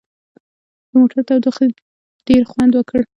د موټر تودوخې ډېر خوند وکړ.